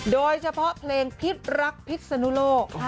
โดยเฉพาะเพลงพิษรักพิษนุโลก